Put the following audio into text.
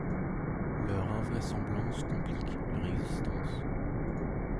Leur invraisemblance complique leur existence.